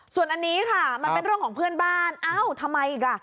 ส่วนอันนี้ค่ะมันเป็นเรื่องของเพื่อนบ้านเอ้าทำไมอีกล่ะ